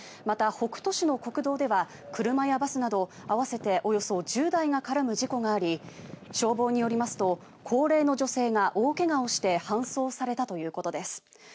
また、北斗市の国道では車やバスなど合わせておよそ１０台が絡む事故があり消防によりますと高齢の女性が大怪我をして搬送されたということです。